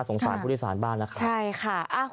สงสารผู้โดยสารบ้างนะครับใช่ค่ะ